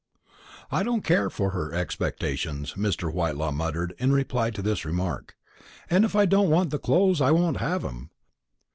"I don't care for her expectations," Mr. Whitelaw muttered, in reply to this remark; "and if I don't want the clothes, I won't have 'em.